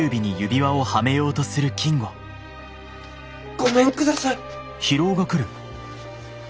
ごめんください。